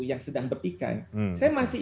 yang sedang berpikan saya masih